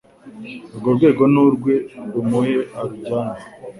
urwo rwego nurwe rumuhe arujyane